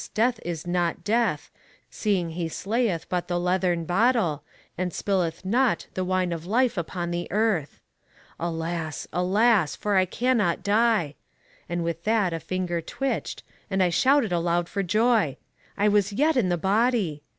death is not death, seeing he slayeth but the leathern bottle, and spilleth not the wine of life upon the earth. Alas! alas! for I cannot die! And with that a finger twitched, and I shouted aloud for joy: I was yet in the body!